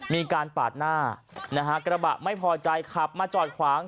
มีการปาดหน้านะฮะกระบะไม่พอใจขับมาจอดขวาง